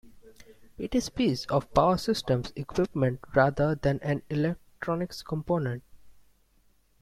It is piece of power systems equipment rather than an electronics component.